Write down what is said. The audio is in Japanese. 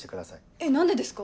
えっ何でですか？